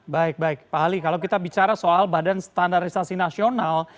baik baik pak ali kalau kita bicara soal badan standarisasi nasional